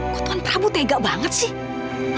kok tuan prabu tega banget sih